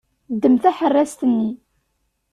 Ddem taḥeṛṛast-nni.